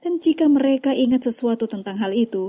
dan jika mereka ingat sesuatu tentang hal itu